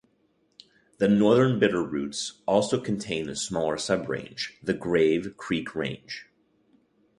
The Northern Bitterroots also contain a smaller subrange, the Grave Creek Range.